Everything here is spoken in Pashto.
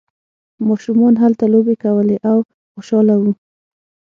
ماشومان هلته لوبې کولې او خوشحاله وو.